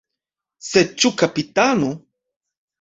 Sed ĉu kapitano?